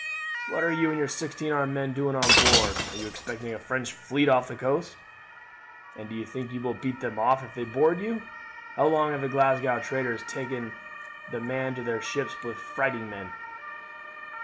What are you and your sixteen armed men doing on board? Are you expecting a French fleet off the coast? And do you think you will beat them off if they board you? How long have the Glasgow traders taken to man their ships with fighting men?"